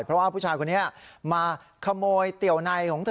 เพราะว่าผู้ชายคนนี้มาขโมยเตี๋ยวในของเธอ